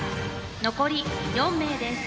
残り４名です。